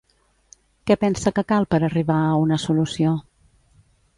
Què pensa que cal per arribar a una solució?